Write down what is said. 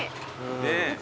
ねえ。